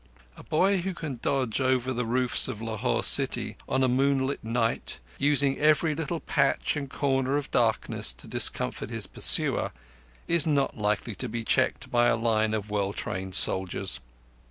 A boy who can dodge over the roofs of Lahore city on a moonlight night, using every little patch and corner of darkness to discomfit his pursuer, is not likely to be checked by a line of well trained soldiers.